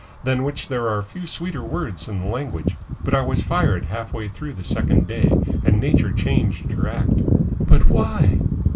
than which there are few sweeter words in the language. But I was fired half way through the second day, and Nature changed her act." "But why?"